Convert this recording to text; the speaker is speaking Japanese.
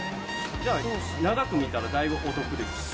じゃあ長く見たらだいぶお得ですか？